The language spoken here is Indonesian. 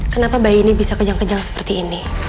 kenapa bayi ini bisa kejang kejang seperti ini